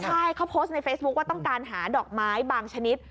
ใช่เขาโพสต์ในเฟซบุ๊คว่าต้องการหาดอกไม้บางชนิด